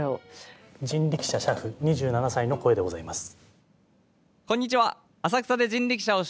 人力車俥夫２７歳の声でございます。